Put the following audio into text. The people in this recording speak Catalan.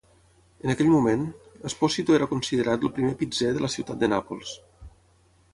En aquell moment, Esposito era considerat el primer pizzer de la ciutat de Nàpols.